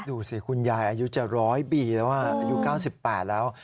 ดูสิคุณยายอายุจะ๑๐๐ปีแล้วอายุ๙๘แล้ว